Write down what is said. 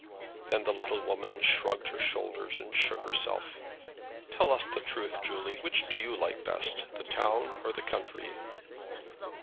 Then the little woman shrugged her shoulders and shook herself. "Tell us the truth, Julie; which do you like best, the town or the country?"